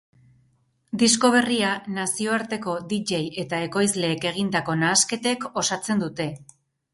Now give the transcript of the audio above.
Disko berria nazioarteko dj eta ekoizleek egindako nahasketek osatzen dute.